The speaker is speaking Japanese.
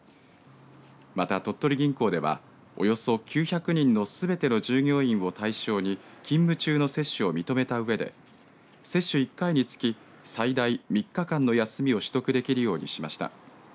また、鳥取銀行ではおよそ９００人のすべての従業員を対象に勤務中の接種を認めたうえで接種１回につき最大３日間の休みを取得できるようにしました。